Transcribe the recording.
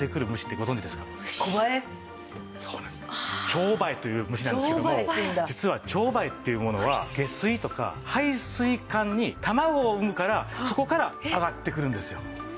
チョウバエっていう虫なんですけども実はチョウバエっていうものは下水とか配水管に卵を産むからそこから上がってくるんですよ。